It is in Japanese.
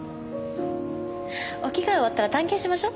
お着替え終わったら探検しましょう。